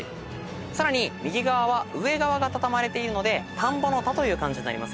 さらに右側は上側が畳まれているので田んぼの「田」という漢字になりますよね。